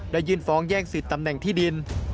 ยื่นฟ้องแย่งสิทธิ์ตำแหน่งที่ดิน